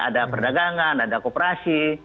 ada perdagangan ada koperasi